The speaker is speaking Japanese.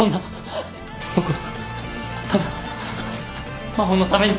僕はただ真帆のために。